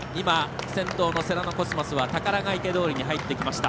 先頭の世羅のコスマスは宝ヶ池通に入ってきました。